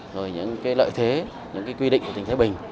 rồi những lợi thế những quy định của tỉnh thái bình